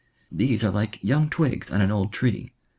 These are like young twigs on an old tree.